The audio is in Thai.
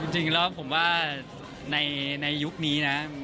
จริงแล้วผมว่าในยุคนี้นะ